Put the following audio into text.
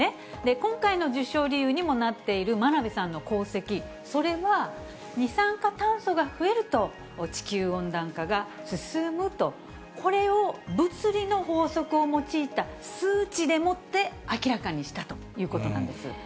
今回の受賞理由にもなっている真鍋さんの功績、それは二酸化炭素が増えると、地球温暖化が進むと、これを物理の法則を用いた数値でもって明らかにしたということなんです。